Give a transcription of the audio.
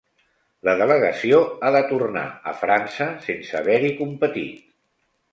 La delegació ha de tornar a França sense haver-hi competit.